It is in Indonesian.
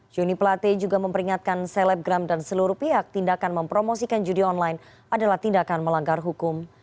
joni plate juga memperingatkan selebgram dan seluruh pihak tindakan mempromosikan judi online adalah tindakan melanggar hukum